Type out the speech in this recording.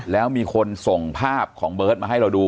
แล้วมีคนส่งภาพของเบิร์ตมาให้เราดู